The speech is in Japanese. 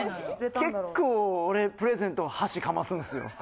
結構俺プレゼント箸かますんっすよ。